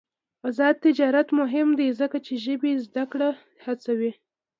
آزاد تجارت مهم دی ځکه چې ژبې زدکړه هڅوي.